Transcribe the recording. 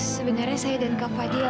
sebenarnya saya dan kak fadil